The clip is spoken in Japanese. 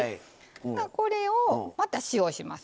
これをまた塩します。